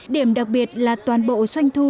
điểm đặc biệt là toàn bộ xoanh thu từ tuần lễ